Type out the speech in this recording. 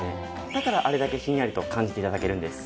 だからあれだけひんやりと感じて頂けるんです。